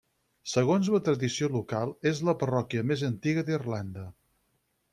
Segons la tradició local és la parròquia més antiga d'Irlanda.